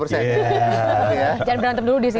jangan berantem dulu di sini